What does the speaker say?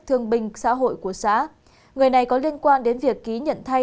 thương binh xã hội của xã người này có liên quan đến việc ký nhận thay